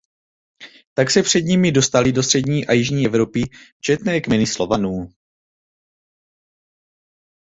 Tak se před nimi dostaly do střední a jižní Evropy četné kmeny Slovanů.